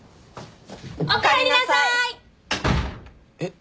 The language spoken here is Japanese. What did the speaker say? おかえりなさい。えっ？